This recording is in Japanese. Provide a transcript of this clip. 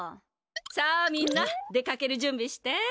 さあみんな出かけるじゅんびして。